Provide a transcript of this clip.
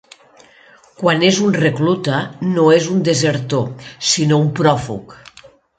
Quan és un recluta, no és un desertor, sinó un pròfug.